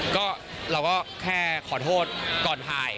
ก็เราก็แค่ขอโทษก่อนถ่าย